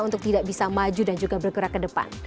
untuk tidak bisa maju dan juga bergerak ke depan